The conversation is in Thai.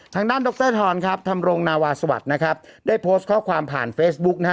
ทางด้านดรทรครับธรรมรงนาวาสวัสดิ์นะครับได้โพสต์ข้อความผ่านเฟซบุ๊กนะฮะ